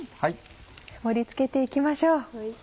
盛り付けて行きましょう。